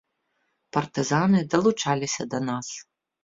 Партызаны далучаліся да нас.